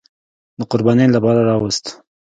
د قربانۍ لپاره راوست.